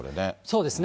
そうです。